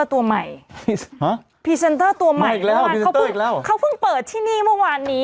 ตัวใหม่มาอีกแล้วตัวอีกแล้วเขาเพิ่งเขาเพิ่งเปิดที่นี่เมื่อวานนี้